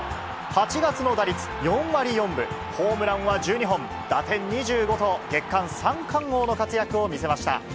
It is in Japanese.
８月の打率４割４分、ホームランは１２本、打点２５と、月間三冠王の活躍を見せました。